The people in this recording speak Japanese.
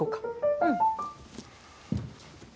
うん。